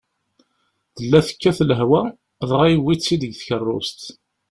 Tella tekkat lehwa, dɣa yewwi-tt-id deg tkeṛṛust.